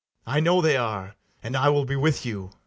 I know they are; and I will be with you.